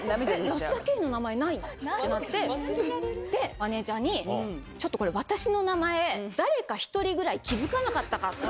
保田圭の名前ないの？ってなって、マネージャーに、ちょっとこれ、私の名前、誰か一人ぐらい気付かなかったかって。